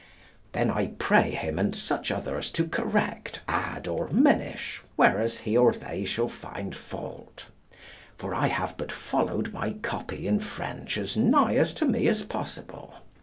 Then I pray him and such others to correct, add, or minish whereas he or they shall find fault; for I have but followed my copy in French as nigh as to me is possible.